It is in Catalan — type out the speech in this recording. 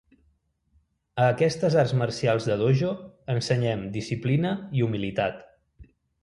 A aquestes arts marcials de dojo ensenyem disciplina i humilitat.